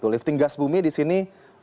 lifting gas bumi disini